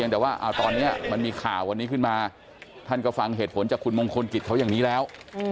แต่ว่าตอนนี้มันมีข่าววันนี้ขึ้นมาท่านก็ฟังเหตุผลจากคุณมงคลกิจเขาอย่างนี้แล้ว